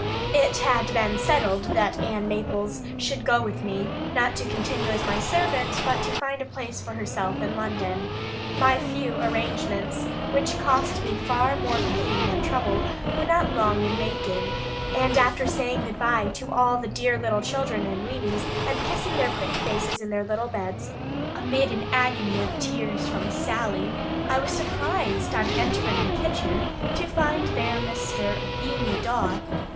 It had been settled that Ann Maples should go with me, not to continue as my servant, but to find a place for herself in London. My few arrangements, which cost me far more pain than trouble, were not long in making; and after saying good bye to all the dear little children and weanies, and kissing their pretty faces in their little beds, amid an agony of tears from Sally, I was surprised, on entering the kitchen, to find there Mr. Beany Dawe.